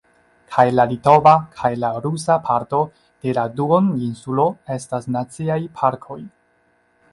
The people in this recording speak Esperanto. Kaj la litova kaj la rusa parto de la duoninsulo estas Naciaj Parkoj.